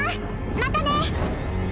またね